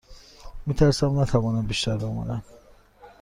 می ترسم نتوانم بیشتر بمانم.